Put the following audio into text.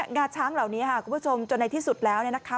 งาช้างเหล่านี้ค่ะคุณผู้ชมจนในที่สุดแล้วเนี่ยนะคะ